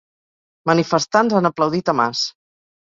Manifestants han aplaudit a Mas